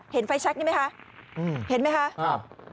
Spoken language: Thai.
เห็นไฟแช็คนี่ไหมคะเห็นไหมคะ